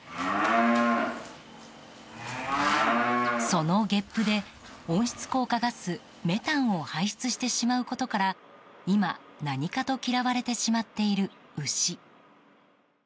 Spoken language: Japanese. そのゲップで温室効果ガスメタンを排出してしまうことから今、何かと嫌われてしまっている牛。